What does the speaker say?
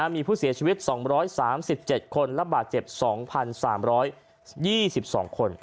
มีผู้เสียชีวิต๒๓๗คนและบาดเจ็บ๒๓๒๒คน